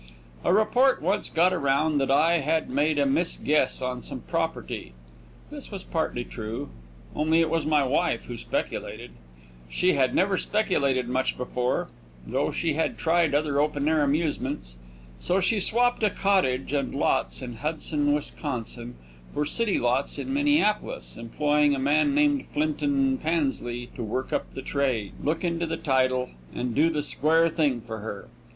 A report once got around that I had made a misguess on some property. This is partly true, only it was my wife who speculated. She had never speculated much before, though she had tried other open air amusements. So she swapped a cottage and lots in Hudson, Wisconsin, for city lots in Minneapolis, employing a man named Flinton Pansley to work up the trade, look into the title, and do the square thing for her.